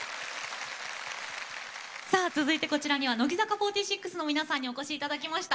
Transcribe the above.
続いて、こちらには乃木坂４６の皆さんお越しいただきました。